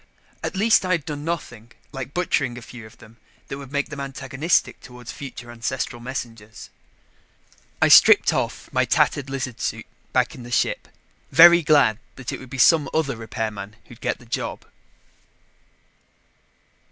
At least I had done nothing, like butchering a few of them, that would make them antagonistic toward future ancestral messengers. I stripped off my tattered lizard suit back in the ship, very glad that it would be some other repairman who'd get the job.